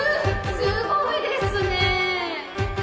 すごいですね！